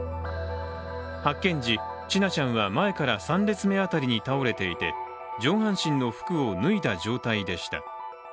発見時、千奈ちゃんは前から３列目辺りに倒れていて上半身の服を脱いだ状態でした。